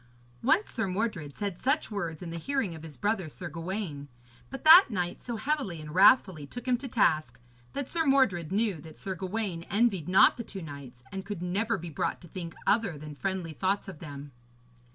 Once Sir Mordred said such words in the hearing of his brother Sir Gawaine; but that knight so heavily and wrathfully took him to task, that Sir Mordred knew that Sir Gawaine envied not the two knights, and could never be brought to think other than friendly thoughts of them.